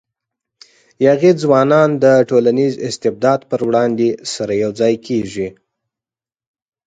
یاغي ځوانان د ټولنیز استبداد پر وړاندې سره یو ځای کېږي.